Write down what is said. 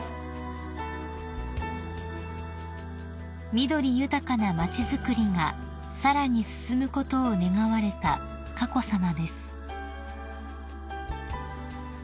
［緑豊かな町づくりがさらに進むことを願われた佳子さまです］